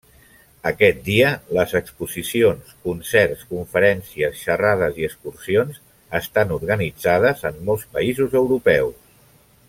Aquest dia, les exposicions, concerts, conferències, xerrades i excursions estan organitzades en molts països europeus.